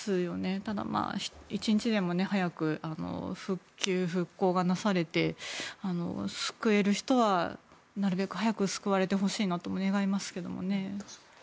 ただ、一日でも早く復旧・復興がなされて救える人はなるべく早く救われてほしいなと願いますけどね。